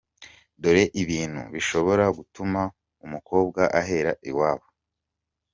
Dore ibintu bishobora gutuma umukobwa ahera iwabo :